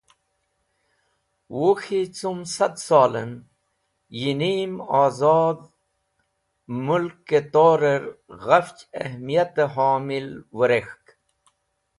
Wuk̃hi cum Sad Solen yi Neem Ozodh Mulke Torer ghafch Ahmiyate Hamil Wirek̃hk.